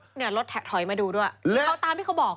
อันนี้รถแท็กถอยไปดูด้วยเขาตามที่เขาบอกเลย